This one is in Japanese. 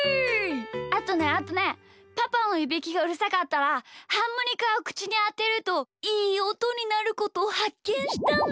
あとねあとねパパのいびきがうるさかったらハーモニカをくちにあてるといいおとになることをはっけんしたんだ。